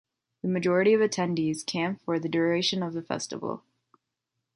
The majority of attendees camp for the duration of the festival.